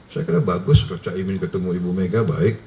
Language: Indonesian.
saya kira bagus saya ingin ketemu ibu mega baik